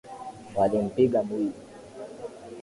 Walimpiga mwizi